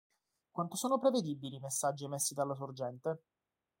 Quanto sono prevedibili i messaggi emessi dalla sorgente?